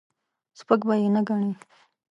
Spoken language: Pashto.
سپک به یې نه ګڼې.